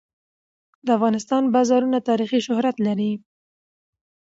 د افغانستان بازارونه تاریخي شهرت لري.